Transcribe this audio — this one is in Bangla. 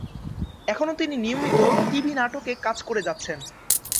এখনো তিনি নিয়মিত টিভি নাটকে কাজ করে যাচ্ছেন।